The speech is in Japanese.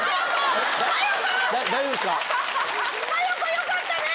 よかったね。